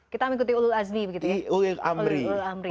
kita mengikuti ulul azmi begitu ya